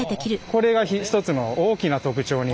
これが１つの大きな特徴になります。